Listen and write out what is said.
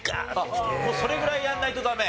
もうそれぐらいやらないとダメ？